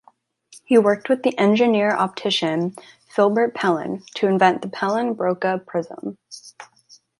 He worked with the engineer-optician Philibert Pellin to invent the Pellin-Broca prism.